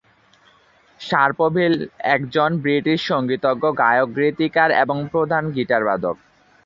শার্পভিল একজন ব্রিটিশ সঙ্গীতজ্ঞ, গায়ক-গীতিকার এবং প্রধান গিটারবাদক।